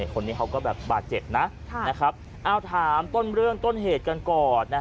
คนนี้เขาก็แบบบาดเจ็บนะเอาถามต้นเรื่องต้นเหตุกันก่อน